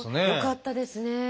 よかったですね。